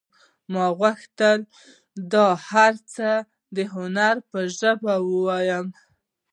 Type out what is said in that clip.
ما غوښتل دا هر څه د هنر په ژبه ووایم